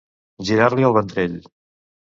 Girar-li el ventrell.